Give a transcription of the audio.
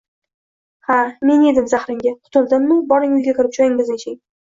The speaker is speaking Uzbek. – Ha, men yedim zahrimga! Qutuldimmi? Boring, uyga kirib, choyingizni iching